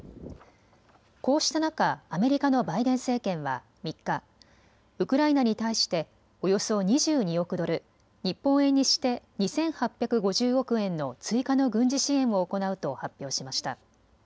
こうした中、アメリカのバイデン政権は３日、ウクライナに対しておよそ２２億ドル、日本円にして２８５０億円の追加の軍事支援を行うと発表しました。